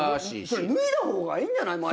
それ脱いだ方がいいんじゃない？